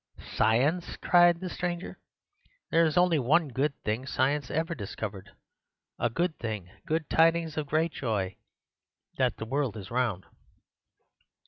"'Science!' cried the stranger. 'There is only one good thing science ever discovered—a good thing, good tidings of great joy— that the world is round.